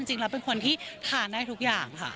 จริงแล้วเป็นคนที่ทานได้ทุกอย่างค่ะ